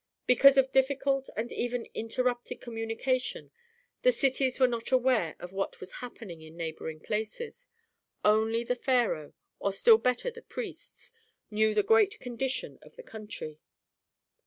Because of difficult and even interrupted communication the cities were not aware of what was happening in neighboring places. Only the pharaoh, or still better the priests, knew the general condition of the country.